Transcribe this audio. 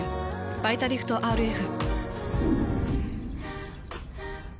「バイタリフトＲＦ」。